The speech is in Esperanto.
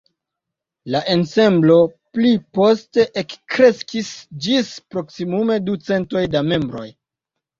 La ensemblo pli poste ekkreskis ĝis proksimume du centoj da membroj.